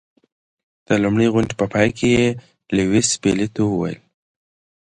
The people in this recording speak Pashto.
د لومړۍ غونډې په پای کې یې لیویس پیلي ته وویل.